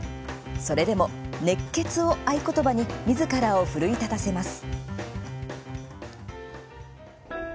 それでも「熱血」を合言葉にみずからを奮い立たせます。